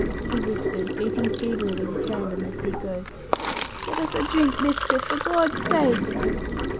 he whispered, beating feebly with his hand on the thick oak. "Get us a drink, mister, for Gord's sake!"